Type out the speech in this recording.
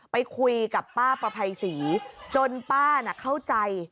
ไปคุยกับป้าประภัยศรีจนป้าน่ะเข้าใจ